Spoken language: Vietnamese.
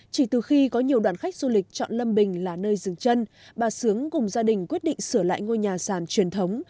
chỉ từ khi có nhiều đoàn khách du lịch chọn lâm bình là nơi dừng chân bà sướng cùng gia đình quyết định sửa lại ngôi nhà sàn truyền thống